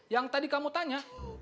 yang tadi kamu tanya